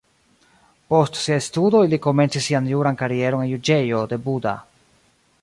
Post siaj studoj li komencis sian juran karieron en juĝejo de Buda.